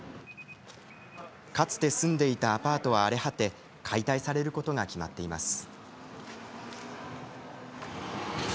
かつて住んでいたアパートは荒れ果て解体されることが決まっています。